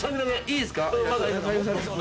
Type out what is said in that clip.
いいですか？